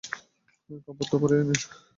কাপড় তো পরায়ে নিন।